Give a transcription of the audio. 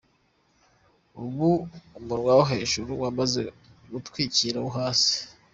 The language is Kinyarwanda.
Ubu umunwa wo hejuru umaze gutwikira uwo hasi.